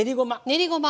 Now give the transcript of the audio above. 練りごま。